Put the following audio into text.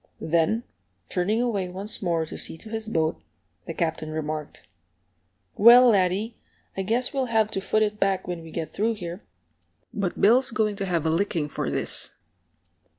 Then, turning away once more to see to his boat, the Captain remarked, "Well, laddie, I guess we'll have to foot it back when we get through here. But Bill's going to have a licking for this!"